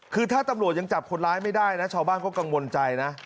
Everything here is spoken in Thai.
คือถ้าตำรวจยังจับคนร้ายไม่ได้นะชาวบ้านก็กังวลใจนะ